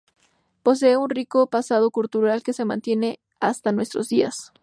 Posee un rico pasado cultural que se mantiene hasta nuestros días.